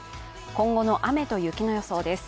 今後の雨と雪の予想です。